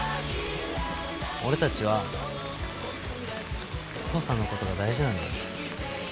俺たちは父さんのことが大事なんだよ。